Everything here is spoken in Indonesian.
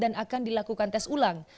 dan juga akan dilakukan test ulang